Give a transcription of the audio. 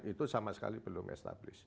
itu sama sekali belum established